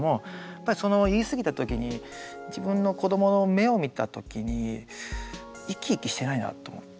やっぱりその言い過ぎた時に自分の子どもの目を見た時に生き生きしてないなと思って。